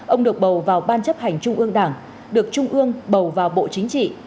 ông được bầu vào ban chấp hành trung ương đảng được trung ương bầu vào bộ chính trị